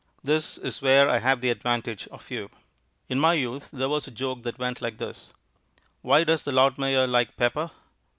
This is where I have the advantage of you. In my youth there was a joke which went like this: "Why does the Lord Mayor like pepper?